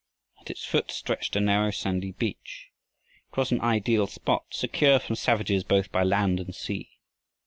At its foot stretched a narrow sandy beach. It was an ideal spot, secure from savages both by land and sea.